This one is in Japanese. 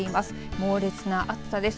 猛烈な暑さです。